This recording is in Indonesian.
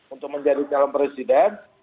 untuk menjadi channel presiden